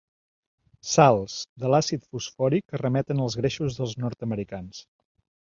Sals de l'àcid fosfòric que remeten als greixos dels nord-americans.